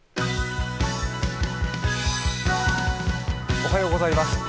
おはようございます。